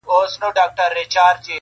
هم لوېدلی یې له پامه د خپلوانو,